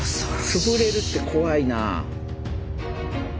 つぶれるって怖いな。